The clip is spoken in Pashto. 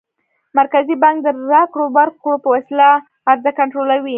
مرکزي بانک د راکړو ورکړو په وسیله عرضه کنټرولوي.